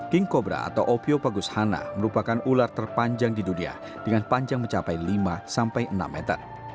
king cobra atau opiopagushana merupakan ular terpanjang di dunia dengan panjang mencapai lima sampai enam meter